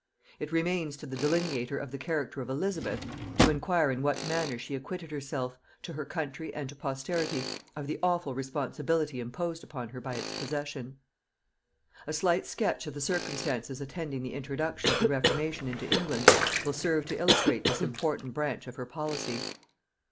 It remains to the delineator of the character of Elizabeth to inquire in what manner she acquitted herself, to her country and to posterity, of the awful responsibility imposed upon her by its possession. A slight sketch of the circumstances attending the introduction of the reformation into England, will serve to illustrate this important branch of her policy.